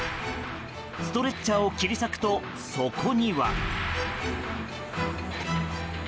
ストレッチャーを切り裂くとそこには。